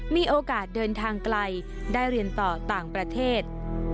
มีโอกาสเดินทางไกลได้เรียนต่อต่างประเทศ